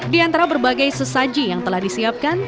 di antara berbagai sesaji yang telah disiapkan